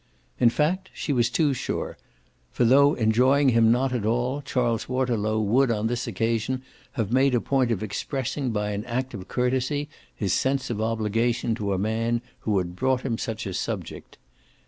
In fact she was too sure, for, though enjoying him not at all, Charles Waterlow would on this occasion have made a point of expressing by an act of courtesy his sense of obligation to a man who had brought him such a subject.